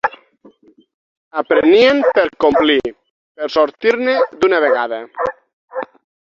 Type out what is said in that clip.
Aprenien per complir; per sortir-ne d'una vegada